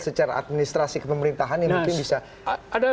secara administrasi kepemerintahan ini mungkin bisa